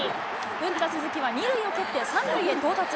打った鈴木は２塁を蹴って３塁へ到達。